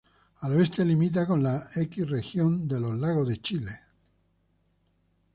Al oeste limita con la X Región de Los Lagos de Chile.